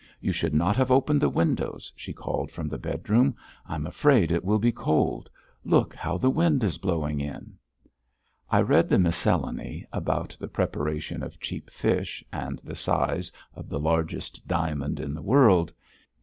"You should not have opened the windows," she called from the bedroom. "I'm afraid it will be cold. Look how the wind is blowing in!" I read the miscellany, about the preparation of cheap fish, and the size of the largest diamond in the world.